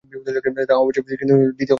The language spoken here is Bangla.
হ্যাঁ অবশ্যই, কিন্তু দ্বিতীয় কন্যা কোথায়?